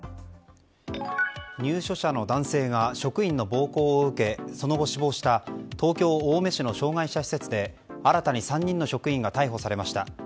入所者の男性が職員の暴行を受けその後、死亡した東京・青梅市の障害者施設で新たに３人の職員が逮捕されました。